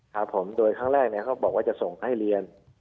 ครับผมโดยครั้งแรกเนี่ยเขาบอกว่าจะส่งให้เรียน